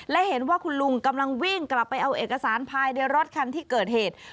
และเห็นว่าคุณลุงกำลังวิ่งกลับไปเอาเอกสารภายในรถคันที่เกิดเหตุ